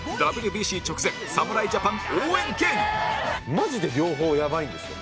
マジで両方やばいんですよ。